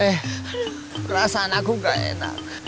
eh perasaan aku gak enak